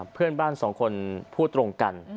เพื่อนบ้านสองคนพูดตรงกัน